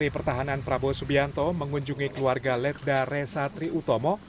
dari pertahanan prabowo subianto mengunjungi keluarga ledda resatri utomo